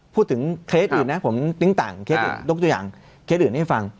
พูดถึงเคสอื่นนะผมตึ้งต่างตุ๊กตัวอย่างเคสอื่นให้ฟัง